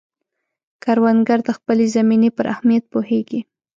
کروندګر د خپلې زمینې پر اهمیت پوهیږي